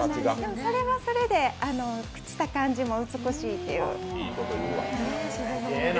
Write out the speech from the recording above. それはそれで、朽ちた感じも美しいという。